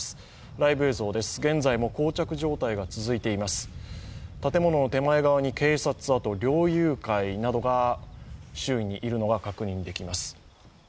ライブ映像です、現在もこう着状態が続いています、建物の手前側に警察、あと猟友会などが周囲にいるのが確認できます。